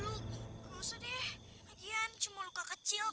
gak usah deh arian cuma luka kecil kok